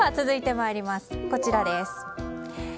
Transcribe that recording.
続いてはこちらです。